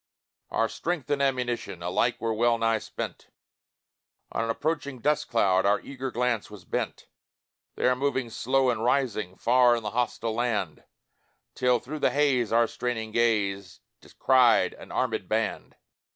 Our strength and ammunition Alike were well nigh spent On an approaching dust cloud Our eager glance was bent, There moving slow and rising, Far in the hostile land, Till, through the haze, our straining gaze Descried an armèd band.